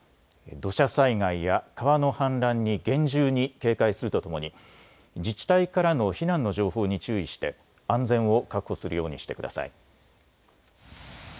土砂災害や川の氾濫に厳重に警戒するとともに自治体からの避難の情報に注意して安全を確保するようにしてください。